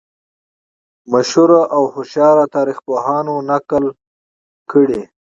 مشهورو او هوښیارو تاریخ پوهانو نقل کړې.